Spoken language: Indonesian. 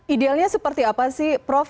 idealnya seperti apa sih prof